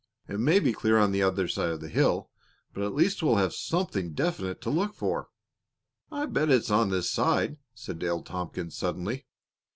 It may be clear on the other side of the hill, but at least we'll have something definite to look for." "I'll bet it's on this side," said Dale Tompkins, suddenly.